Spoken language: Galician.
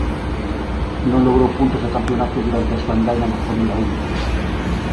Non logrou puntos de campionato durante a súa andaina na Fórmula Un.